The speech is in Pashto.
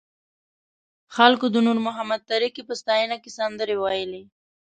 خلکو د نور محمد تره کي په ستاینه کې سندرې ویلې.